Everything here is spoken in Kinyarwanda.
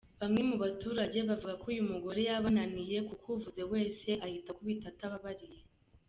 Bamwe mu baturage bavuga ko uyu mugore yabananiye kuko uvuze wese ahita ‘akubita atababariye’.